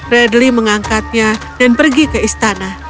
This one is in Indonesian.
radly mengangkatnya dan pergi ke istana